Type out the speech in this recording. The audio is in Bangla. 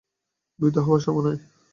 ভীতু হওয়ার সময় নেই।